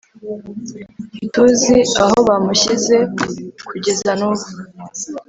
ntituzi aho bamushyize kugeza nubu